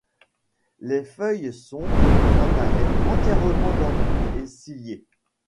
Les feuilles sont, quant à elles, entièrement dentées et ciliées.